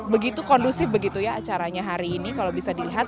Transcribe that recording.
begitu kondusif begitu ya acaranya hari ini kalau bisa dilihat